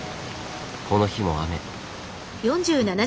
この日も雨。